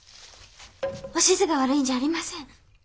おしづが悪いんじゃありません。